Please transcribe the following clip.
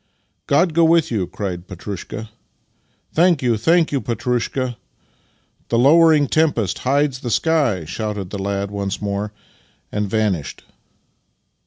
" God go with you! " cried Petrushka. " Thank you, thank you, Petrushka! "" The lowering tempest hides the sky," shouted the lad once more, and vanished.